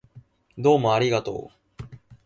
どうもありがとう